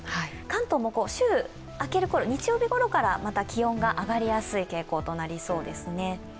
関東も週明けるころ、日曜日ごろからまた気温が上がりやすい傾向となりそうです。